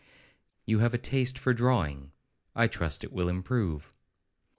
You have a taste for drawing,—I trust it will improve.